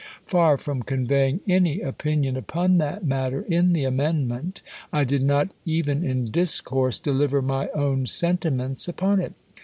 Far from conveying any opinion upon that matter in the amendment, I did not, even in discourse, deliver my own sentiments upon it.